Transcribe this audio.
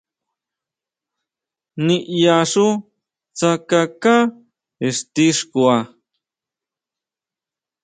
ʼNiʼyaxú tsákaká ixti xkua.